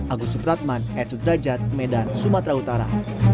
agus supratman ed sudrajat medan sumatera utara